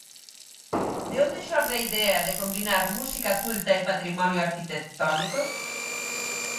De onde xorde a idea de combinar música culta e patrimonio arquitectónico?